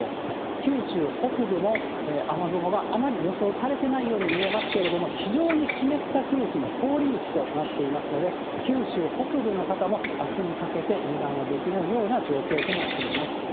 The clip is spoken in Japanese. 九州北部も、雨雲があまり予想されてないように見えますけれども、非常に湿った空気の通り道となっていますので、九州北部の方もあすにかけて油断はできないような状況となっております。